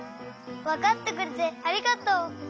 わかってくれてありがとう！